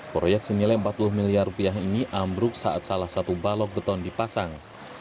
proyek senilai empat puluh miliar rupiah ini ambruk saat salah satu balok beton dipasang